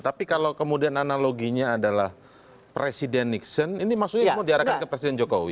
tapi kalau kemudian analoginya adalah presiden nixon ini maksudnya semua diarahkan ke presiden jokowi